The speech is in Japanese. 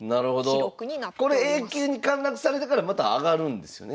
Ａ級に陥落されてからまた上がるんですよね？